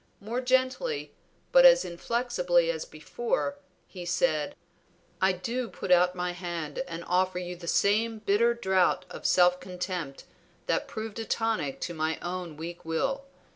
More gently, but as inflexibly as before, he said "I do put out my hand and offer you the same bitter draught of self contempt that proved a tonic to my own weak will.